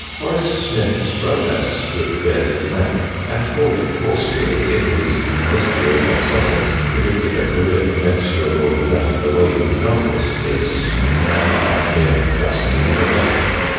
Horace Smith's romance which bears its name, and for which Horsfield, in his History of Sussex, predicted a career commensurable with that of the Waverley novels, is now, I fear, justly forgotten.